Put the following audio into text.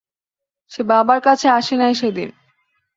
সে বাবার কাছে আসে নাই সেদিন।